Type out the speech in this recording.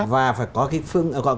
và có cái phương pháp